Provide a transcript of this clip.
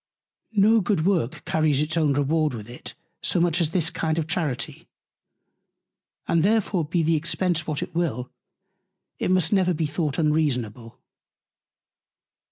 No good Work carries its own Reward with it so much as this kind of Charity; and therefore be the Expence what it will, it must never be thought unreasonable.